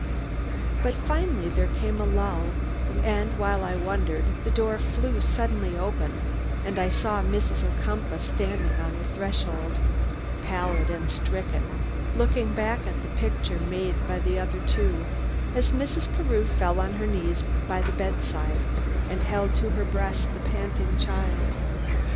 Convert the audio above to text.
But finally there came a lull, and while I wondered, the door flew suddenly open and I saw Mrs. Ocumpaugh standing on the threshold, pallid and stricken, looking back at the picture made by the other two as Mrs. Carew, fallen on her knees by the bedside, held to her breast the panting child.